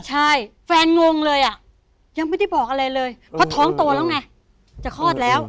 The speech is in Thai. ใช่แฟนงงเลยอ่ะยังไม่ได้บอกอะไรเลยเพราะท้องโตแล้วไงจะคลอดแล้ว